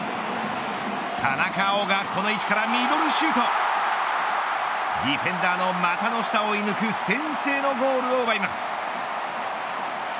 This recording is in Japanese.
田中碧がこの位置からミドルシュートディフェンダーの股の下を射抜き先制のゴールを奪います。